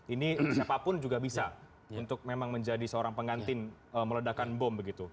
ini siapapun juga bisa untuk memang menjadi seorang pengantin meledakan bom begitu